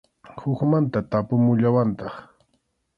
Hukmanta tapumuwallantaq.